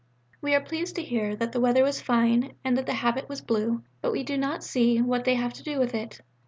We are pleased to hear that the weather was fine and that the habit was blue, but we do not see what they have to do with it.